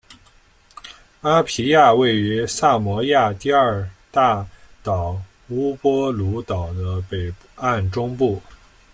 阿皮亚位于萨摩亚第二大岛乌波卢岛的北岸中部。